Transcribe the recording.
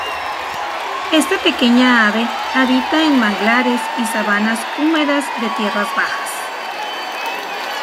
Esta pequeña ave habita en manglares y sabanas húmedas de tierras bajas.